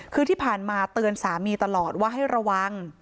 คือที่ผ่านมาเตือนสามีตลอดว่าให้ระวัง